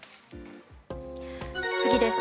次です。